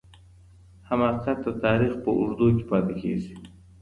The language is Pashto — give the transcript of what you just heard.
حماقت د تاریخ په اوږدو کي پاتې کیږي.